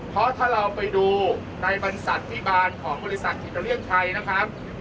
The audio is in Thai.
เพราะถ้าเราไปดูในบริษัทพิบาลของบริษัทอิตาเลียนชัยนะครับ